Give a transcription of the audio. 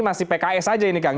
masih pks saja ini kang